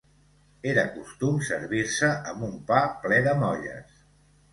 Era costum servir-se amb un pa ple de molles.